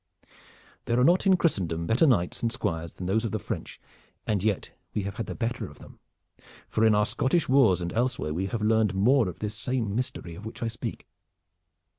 There are not in Christendom better knights and squires than those of the French, and yet we have had the better of them, for in our Scottish Wars and elsewhere we have learned more of this same mystery of which I speak."